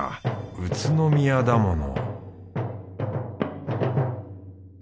宇都宮だもの